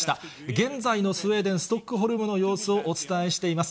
現在のスウェーデン・ストックホルムの様子をお伝えしています。